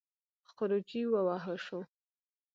خروجی ووهه شو.